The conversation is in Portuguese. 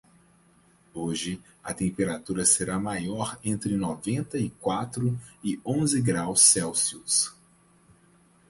Hoje, a temperatura será maior entre noventa e quatro e onze graus Celsius.